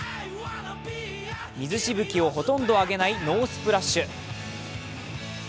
水しぶきをほとんど上げないノースプラッシュ。